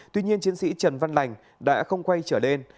tuy nhiên chiến sĩ trần văn lành đã không quay trở lên